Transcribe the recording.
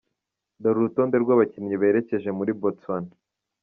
Dore urutonde rw’abakinnyi berekeje muri Botswana.